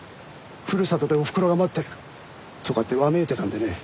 「ふるさとでおふくろが待ってる」とかってわめいてたんでね